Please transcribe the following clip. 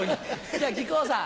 じゃあ木久扇さん。